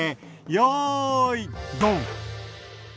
よいドン！